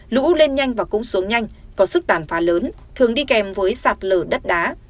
lũ lên nhanh và cũng xuống nhanh có sức tàn phá lớn thường đi kèm với sạt lở đất đá